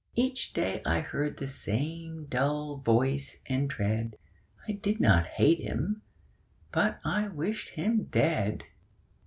Each day I heard the same dull voice and tread; I did not hate him: but I wished him dead.